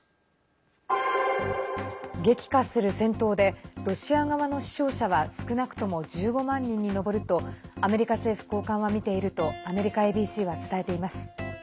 激化する戦闘でロシア側の死傷者は少なくとも１５万人に上るとアメリカ政府高官はみているとアメリカＡＢＣは伝えています。